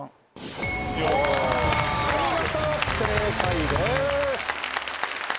お見事正解です！